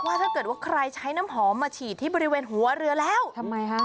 ถ้าเกิดว่าใครใช้น้ำหอมมาฉีดที่บริเวณหัวเรือแล้วทำไมคะ